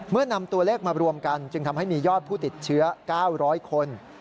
นำตัวเลขมารวมกันจึงทำให้มียอดผู้ติดเชื้อ๙๐๐คน